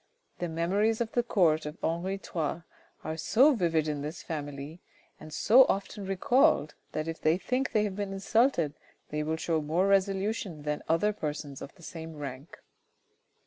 "The memories of the court of Henri III. are so vivid in this family, and so often recalled, that if they think they have been insulted they will show more resolution than other persons of the same rank."